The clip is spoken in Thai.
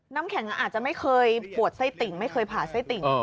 น้ำแข็งอาจจะไม่เคยปวดไส้ติ่งไม่เคยผ่าไส้ติ่ง